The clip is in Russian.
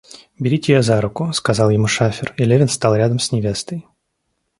Берите ее за руку, — сказал ему шафер, и Левин стал рядом с невестой.